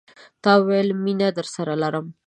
تا ویل، میینه درسره لرم